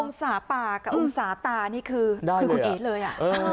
องศาปากกับองศาตานี่คือคุณเอ๋เลย